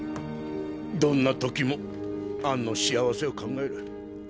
どんな時もアンの幸せを考える。